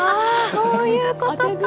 そういうことか。